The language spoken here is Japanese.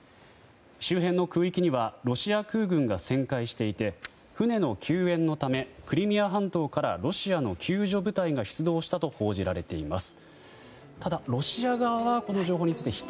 周辺の空域にはロシア空軍が旋回していて船の救援のためクリミア半島からロシアの救助部隊が出動したと報じられています。